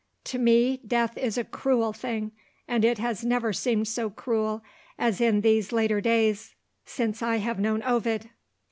To me, death is a cruel thing, and it has never seemed so cruel as in these later days, since I have known Ovid.